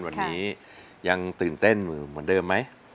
วันนี้ยังตื่นเต้นเหมือนเดิมไหม